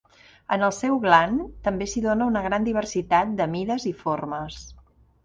En el seu gland també s'hi dóna una gran diversitat de mides i formes.